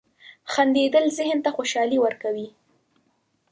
• خندېدل ذهن ته خوشحالي ورکوي.